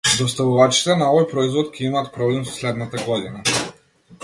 Доставувачите на овој производ ќе имаат проблем следната година.